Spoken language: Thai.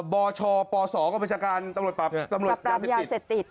บชบสก็เป็นประชาการตำรวจปรับยาเสต็ดติด